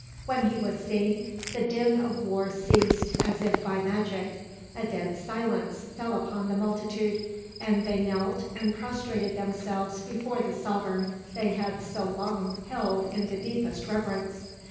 When he was seen, the din of war ceased as if by magic. A dead silence fell upon the multitude, and they knelt and prostrated themselves before the sovereign they had so long held in the deepest reverence.